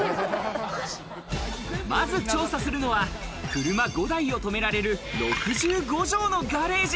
まず調査するのは車５台を停められる６５帖のガレージ。